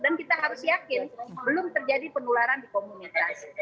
dan kita harus yakin belum terjadi penularan di komunitas